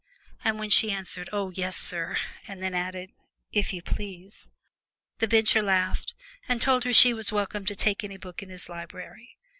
And when she answered, "Oh, yes, sir!" and then added, "If you please!" the Bencher laughed, and told her she was welcome to take any book in his library.